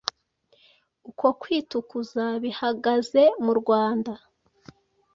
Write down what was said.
uko kwitukuza bihagaze mu Rwanda,